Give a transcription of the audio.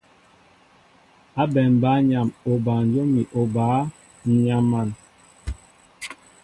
Ábɛm bǎyaŋ obanjóm ni obǎ, ǹ yam̀an !